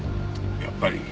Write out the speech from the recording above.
やっぱり。